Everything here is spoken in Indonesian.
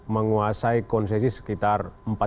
menguasai konsesi sekitar